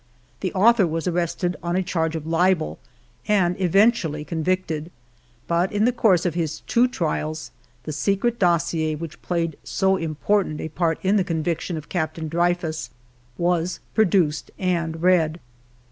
The author was arrested on a charge of libel and eventually convicted, but in the course of his two trials the secret dossier which played so important a part in the conviction of Captain Dreyfus was produced and read.